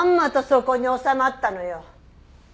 そこに納まったのよ。